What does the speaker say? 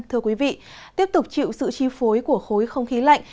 thưa quý vị tiếp tục chịu sự chi phối của khối không khí lạnh